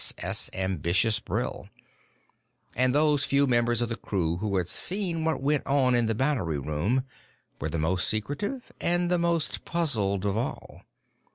S.S. Ambitious Brill. And those few members of the crew who had seen what went on in the battery room were the most secretive and the most puzzled of all.